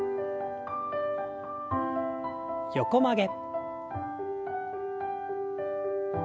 横曲げ。